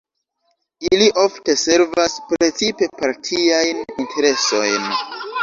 Ili ofte servas precipe partiajn interesojn.